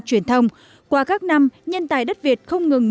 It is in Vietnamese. truyền thông qua các năm nhân tài đất việt không ngừng